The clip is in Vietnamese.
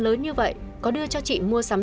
lớn như vậy có đưa cho chị mua sắm